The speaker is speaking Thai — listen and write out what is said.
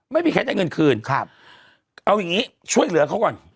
ไม่มีใครได้เงินคืนครับเอาอย่างงี้ช่วยเหลือเขาก่อน